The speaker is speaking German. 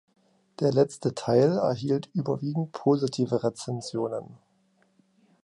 Der letzte Teil erhielt überwiegend positive Rezensionen.